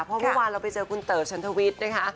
เพราะเมื่อวานเราไปเจอคุณเต๋อฉันทวิทย์นะคะ